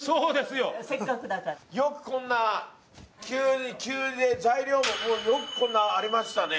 よくこんな急で材料もよくこんなありましたね。